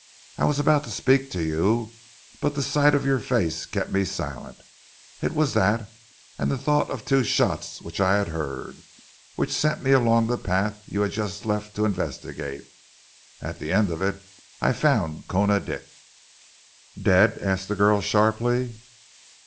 I was about to speak to you, but the sight of your face kept me silent. It was that, and the thought of two shots which I had heard, which sent me along the path you had just left to investigate. At the end of it, I found Koona Dick!" "Dead?" asked the girl sharply.